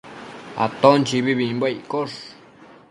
Aton chibibimbuec iccosh